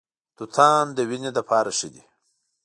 توتان د وینې لپاره ښه دي.